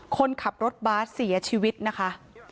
คนขับรถบัสเสียชีวิตนะคะ